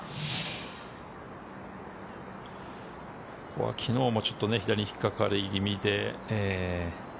ここは昨日も左に引っかかり気味で。